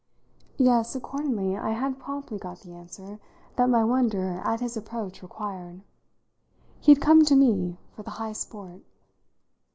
Yes, accordingly, I had promptly got the answer that my wonder at his approach required: he had come to me for the high sport.